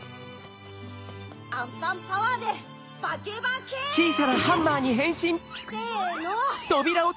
アンパンパワーでバケバケル！せの！